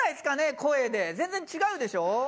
声で全然違うでしょ？